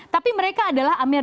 tapi mereka adalah as